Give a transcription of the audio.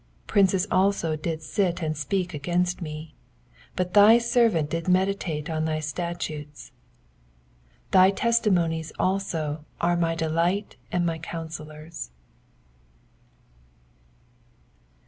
23 Princes also did sit and speak against me : but thy servant did meditate in thy statutes. 24 Thy testimonies also are my delight and my counsellors.